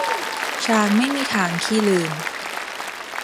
ช้างไม่มีทางขี้ลืม